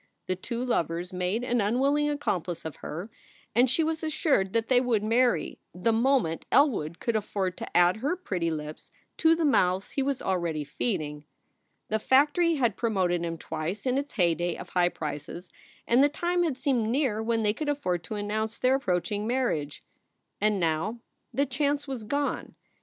The two lovers made an unwilling accomplice of her, and she was assured that they would marry, the moment Elwood could afford to add her pretty lips to the mouths he was already feeding. The factory had promoted him twice in its heyday of high prices, and the time had seemed near when they could afford to announce their approaching marriage. And now the chance was gone.